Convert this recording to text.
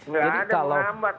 nggak ada yang menghambat